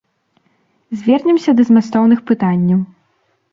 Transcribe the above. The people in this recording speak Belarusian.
Звернемся да змястоўных пытанняў.